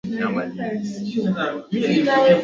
Ambapo kwa wakati huo alizaliwa katika eneo hilo